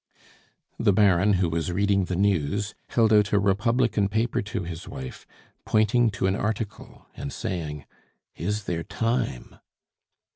The Baron, who was reading the news, held out a Republican paper to his wife, pointing to an article, and saying: "Is there time?"